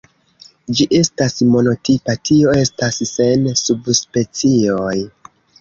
Ĝi estas monotipa, tio estas sen subspecioj.